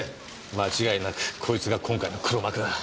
間違いなくこいつが今回の黒幕だな。